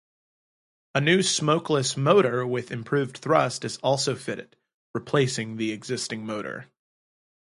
A new smokeless motor with improved thrust is also fitted, replacing the existing motor.